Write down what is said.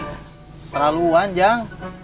kecana pake nakutin orang satu kampung